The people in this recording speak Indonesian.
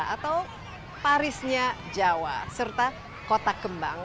atau parisnya jawa serta kota kembang